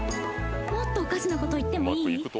もっとおかしなこと言ってもいい？